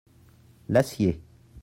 L'acier.